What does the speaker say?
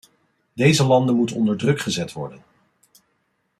Deze landen moeten onder druk gezet worden.